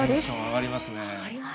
上がりますね。